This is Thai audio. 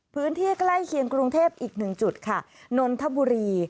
พื้นที่ใกล้เคียงกรุงเทพอีกหนึ่งจุดค่ะนนทบุรี